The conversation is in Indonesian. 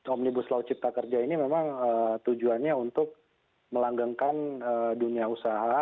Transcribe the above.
omnibus law cipta kerja ini memang tujuannya untuk melanggengkan dunia usaha